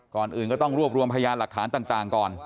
ก่อนอื่นก็ต้องรวบรวมพยานหลักฐานต่างก่อน